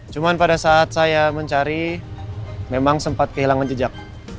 cuma pada saat saya mencari memang sempat kehilangan jejak